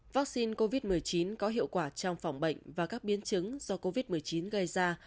vaccine covid một mươi chín có hiệu quả trong phòng bệnh và các biến chứng do covid một mươi chín gây ra